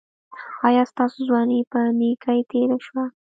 ایا ستاسو ځواني په نیکۍ تیره شوه؟